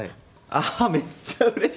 ああーめっちゃうれしい。